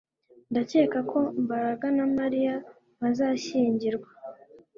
Ndakeka ko Mbaraga na Mariya bazashyingirwa